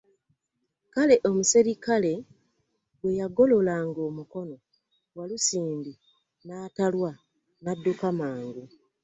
Kale, omuserikale bwe yagololanga omukono, Walusimbi n'atalwa n'adduka mangu.